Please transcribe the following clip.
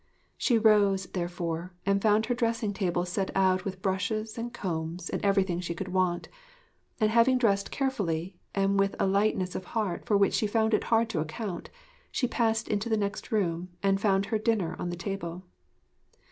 She rose, therefore, and found her dressing table set out with brushes and combs and everything she could want; and having dressed carefully, and with a lightness of heart for which she found it hard to account, she passed into the next room and found her dinner on the table.